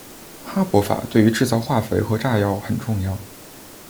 哈柏法对于制造化肥和炸药很重要。